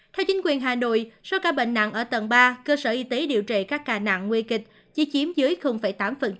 theo chính quyền hà nội số ca bệnh nặng ở tầng ba cơ sở y tế điều trị các ca nặng nguy kịch chỉ chiếm dưới tám